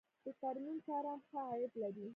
د ترمیم کاران ښه عاید لري